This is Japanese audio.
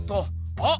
あっ！